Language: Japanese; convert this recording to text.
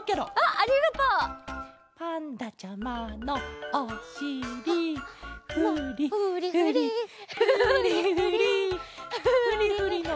パンダちゃまのおしりフリフリフリフリフリフリのあとは。